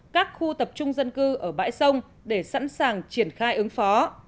các khu tập trung dân cư ở bãi sông để sẵn sàng triển khai ứng phó